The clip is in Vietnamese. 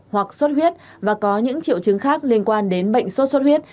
hoặc xuất huyết và có những triệu chứng khác liên quan đến bệnh sốt xuất huyết